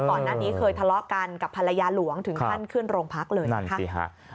ก่อนหน้านี้เคยทะเลาะกันกับภรรยาหลวงถึงขั้นขึ้นโรงพักเลยนะคะ